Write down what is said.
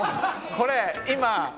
これ今俺。